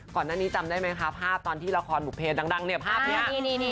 ก่อนหน้านี้จำได้ไหมคะภาพตอนที่ละครบุเพดังเนี่ยภาพนี้